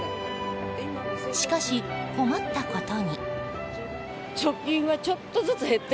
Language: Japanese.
しかし、困ったことに。